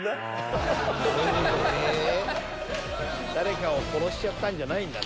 ハハハハハハ！誰かを殺しちゃったんじゃないんだね。